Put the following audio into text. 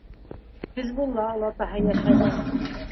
Хизбулла олатаһы йәшәне.